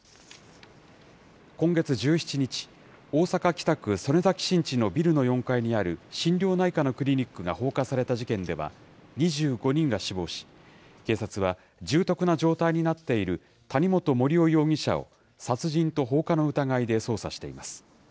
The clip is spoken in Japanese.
今月１７日、大阪・北区曽根崎新地のビルの４階にある心療内科のクリニックが放火された事件では、２５人が死亡し、警察は、重篤な状態になっている谷本盛雄容疑者を、殺人と放火の疑いで捜査しています。